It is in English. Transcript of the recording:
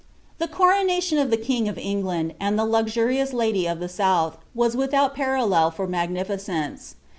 The coronation of the king of England, and the luxuriotu lady ft the south, was withoat parallel for mBgnificence.